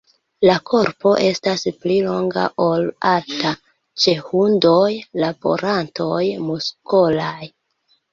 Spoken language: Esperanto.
La korpo estas pli longa ol alta, ĉe hundoj laborantoj muskolaj.